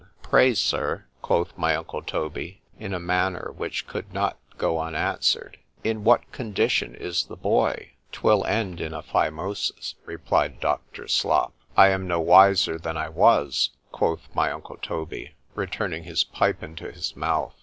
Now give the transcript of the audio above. Pray, Sir, quoth my uncle Toby, in a manner which could not go unanswered,—in what condition is the boy?—'Twill end in a phimosis, replied Dr. Slop. I am no wiser than I was, quoth my uncle Toby—returning his pipe into his mouth.